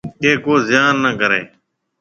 ڪہ ڪو ضيان نِي ڪرَي